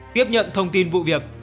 tiếp nhận thông tin vụ việc